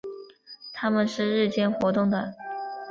它们是日间活动的。